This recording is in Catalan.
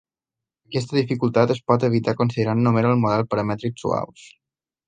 Aquesta dificultat es pot evitar considerant només els models paramètrics "suaus".